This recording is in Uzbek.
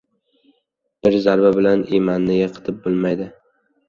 • Bir zarba bilan emanni yiqitib bo‘lmaydi.